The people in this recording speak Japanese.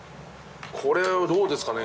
これどうですかね。